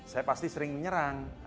saya pasti sering menyerang